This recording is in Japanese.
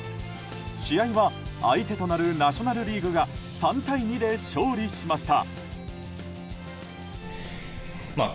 試合は相手となるナショナル・リーグが３対２で勝利しました。